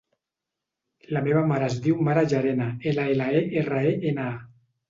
La meva mare es diu Mara Llerena: ela, ela, e, erra, e, ena, a.